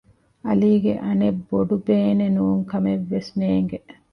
ޢަލީގެ އަނެއް ބޮޑުބޭނެ ނޫންކަމެއް ވެސް ނޭނގެ